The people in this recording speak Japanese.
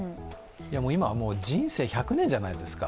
今はもう人生１００年じゃないですか。